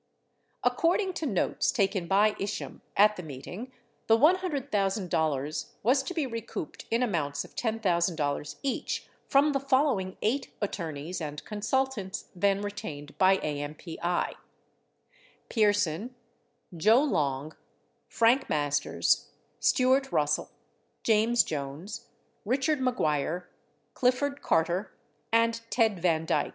According to notes taken by Isham at the meeting, the $100,000 was to be recouped in amounts of $10,000 each from the following eight attorneys and consultants then retained by AMPI: Pierson, Joe Long, Frank Masters, Stuart Russell, James Jones, Richard Maguire, Clifford Carter and Ted Van Dyk.